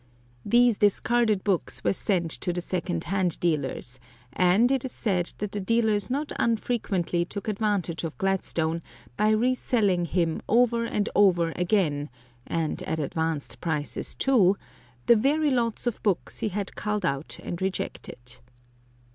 These discarded books were sent to the second hand dealers, and it is said that the dealers not unfrequently took advantage of Gladstone by reselling him over and over again (and at advanced prices, too) the very lots of books he had culled out and rejected.